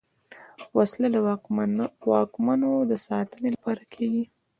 وسله د واکمنو د ساتنې لپاره کارېږي